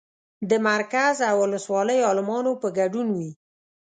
د مرکز او ولسوالۍ عالمانو په ګډون وي.